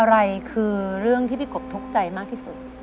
อะไรคือเรื่องที่พี่กบทุกข์ใจมากที่สุด